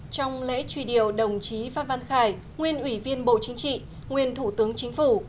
trong lễ truy điệu đồng chí phan văn khải nguyên ủy viên bộ chính trị nguyên thủ tướng chính phủ